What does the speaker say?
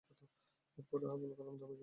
এর পরও আবুল কালাম দমে যাননি।